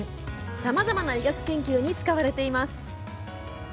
さまざまな医学研究に使われています。